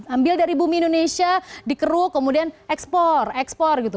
ambil dari bumi indonesia dikeruk kemudian ekspor ekspor gitu